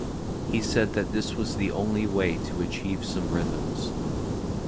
He said that this was the only way to achieve some rhythms.